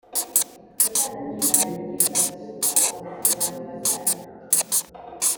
satani agerageza gushuka abantu kugirango bazarimbuke